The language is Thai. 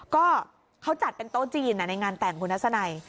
ก็เขาจัดเป็นโต๊ะจีนในงานแต่งคุณทัศนัย